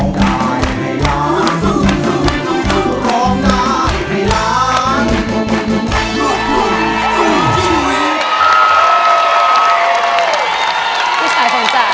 พี่สายผลจ๊ะ